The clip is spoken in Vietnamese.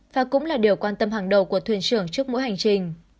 và cũng là điều quan tâm hàng đầu của thuyền trưởng trước mỗi hành trình